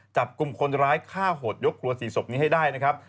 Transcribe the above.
จับกลุ่มคนร้ายฆ่าโหดยกครัว๔ศพนี้ให้ได้นะครับ